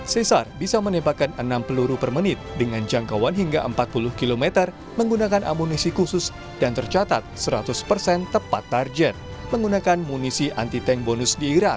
sesar bisa menembakkan enam peluru per menit dengan jangkauan hingga empat puluh km menggunakan amunisi khusus dan tercatat seratus persen tepat target menggunakan munisi anti tengk bonus di irak